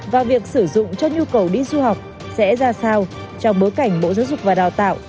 và việc sử dụng cho nhu cầu đi du học sẽ ra sao trong bối cảnh bộ giáo dục và đào tạo